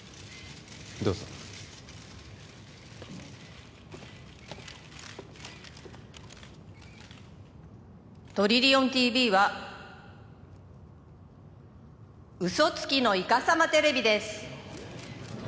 どうぞトリリオンＴＶは嘘つきのイカサマテレビです